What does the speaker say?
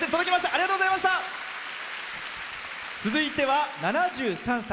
続いては、７３歳。